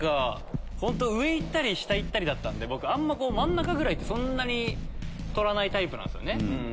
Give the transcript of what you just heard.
上行ったり下行ったりだったんで真ん中ぐらいってそんなに取らないタイプなんですよね。